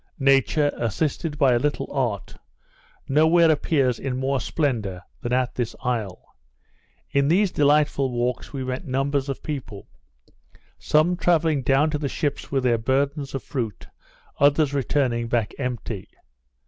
Nature, assisted by a little art, no where appears in more splendour than at this isle. In these delightful walks we met numbers of people; some travelling down to the ships with their burdens of fruit; others returning back empty.